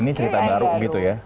ini cerita baru gitu ya